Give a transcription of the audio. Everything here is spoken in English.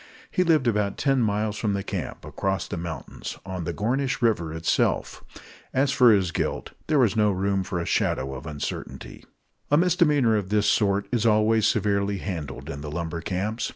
He lived about ten miles from the camp, across the mountains, on the Gornish River itself. As for his guilt, there was no room for a shadow of uncertainty. A misdemeanor of this sort is always severely handled in the lumber camps.